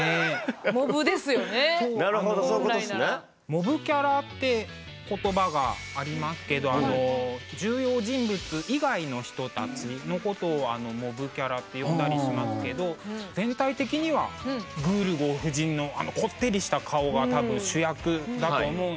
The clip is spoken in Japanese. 「モブキャラ」って言葉がありますけど重要人物以外の人たちのことを「モブキャラ」って呼んだりしますけど全体的にはグールゴー夫人のあのこってりした顔が多分主役だと思うんですね。